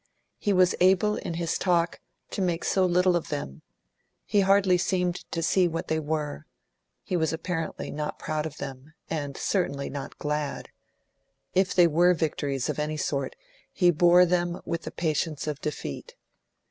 He was able in his talk to make so little of them; he hardly seemed to see what they were; he was apparently not proud of them, and certainly not glad; if they were victories of any sort, he bore them with the patience of defeat.